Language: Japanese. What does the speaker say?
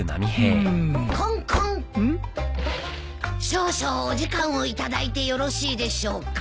少々お時間を頂いてよろしいでしょうか？